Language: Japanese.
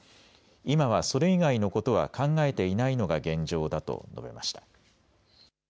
今はそれ以外のことは考えていないのが現状だと述べました。